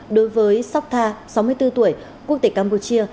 đối với sóc tha sáu mươi bốn tuổi quốc tịch campuchia